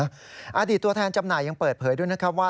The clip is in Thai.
อาหารที่ตัวแทนจำหน่ายังเปิดเผยด้วยนะครับ